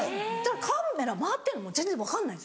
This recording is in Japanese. カメラ回ってるの全然分かんない